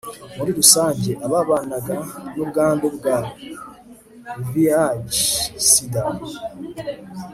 muri rusange ababanan ubwandu bwa vih sida